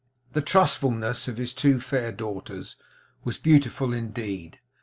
The trustfulness of his two fair daughters was beautiful indeed.